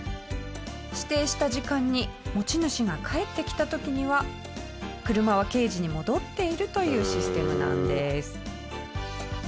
指定した時間に持ち主が帰ってきた時には車はケージに戻っているというシステムなんです。